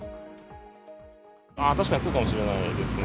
確かにそうかもしれないですね。